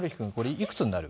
いくつになる？